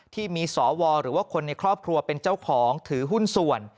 ที่มีสวหรือว่าคนในครอบครัวเป็นเจ้าของถือหุ้นส่วน